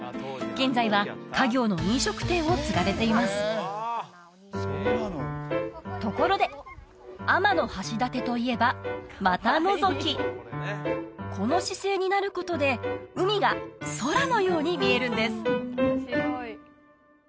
現在は家業の飲食店を継がれていますところで天橋立といえば股のぞきこの姿勢になることで海が空のように見えるんです